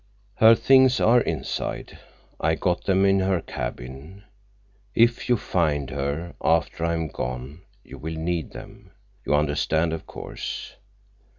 "Her things are inside. I got them in her cabin. If you find her, after I am gone, you will need them. You understand, of course.